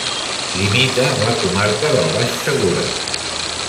Limita amb la comarca del Baix Segura.